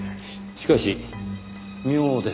しかし妙ですねぇ。